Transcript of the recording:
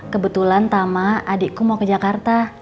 kebetulan tama adikku mau ke jakarta